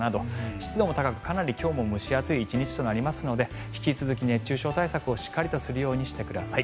湿度も高く今日もかなり蒸し暑い１日となりますので引き続き熱中症対策をしっかりとするようにしてください。